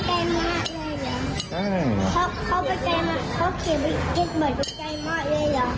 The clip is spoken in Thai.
เก็ตหวานเลย